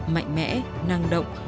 mạnh mẽ năng động